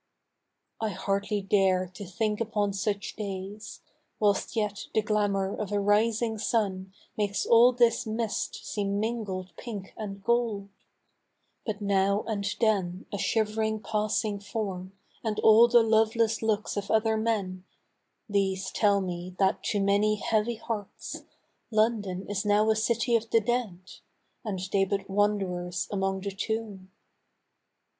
I hardly dare to think upon such days, Whilst yet the glamour of a rising sun Makes all this mist seem mingled pink and gold ; But now and then a shiv'ring passing form, And all the loveless looks of other men, These tell me that to many heavy hearts London is now a city of the dead. And they but wanderers amongst the tomb.